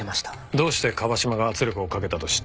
どうして椛島が圧力をかけたと知った？